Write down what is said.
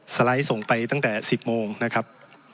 สไลด์ส่งไปตั้งแต่๑๐โมงนะครับ